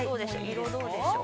色はどうでしょう。